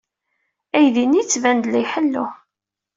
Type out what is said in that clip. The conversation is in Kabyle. Aydi-nni yettban-d la iḥellu.